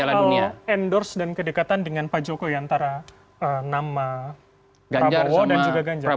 apakah soal endorse dan kedekatan dengan pak joko ya antara nama prabowo dan juga ganjar